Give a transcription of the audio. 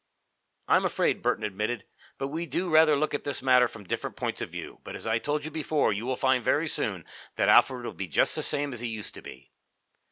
"I'm afraid," Burton admitted, "that we do rather look at this matter from different points of view, but, as I told you before, you will find very soon that Alfred will be just the same as he used to be."